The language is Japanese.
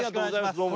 どうも。